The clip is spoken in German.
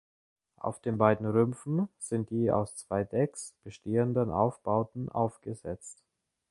Auf den beiden Rümpfen sind die aus zwei Decks bestehenden Aufbauten aufgesetzt.